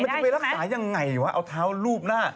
จะไปรักษายังไงวะเอาเท้าลูบหน้า